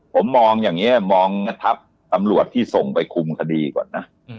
ผมมองอย่างนี้มองทับตำรวจที่ส่งไปคุมคดีก่อนนะ